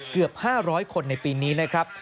เกือบ๕๐๐คนในปีนี้นะครับ